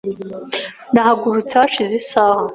Nahagurutse hashize isaha .